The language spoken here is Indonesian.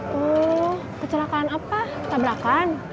tuh kecelakaan apa tabrakan